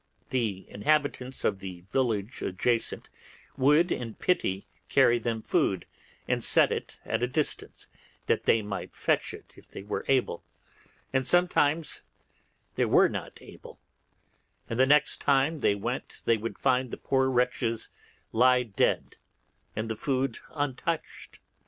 The inhabitants of the villages adjacent would, in pity, carry them food and set it at a distance, that they might fetch it, if they were able; and sometimes they were not able, and the next time they went they should find the poor wretches lie dead and the food untouched.